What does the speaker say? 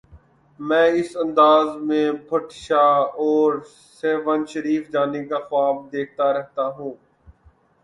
میں اس انداز میں بھٹ شاہ اور سہون شریف جانے کے خواب دیکھتا رہتا ہوں۔